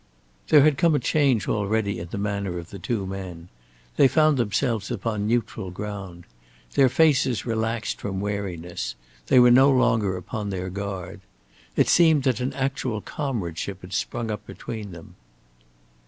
There had come a change already in the manner of the two men. They found themselves upon neutral ground. Their faces relaxed from wariness; they were no longer upon their guard. It seemed that an actual comradeship had sprung up between them.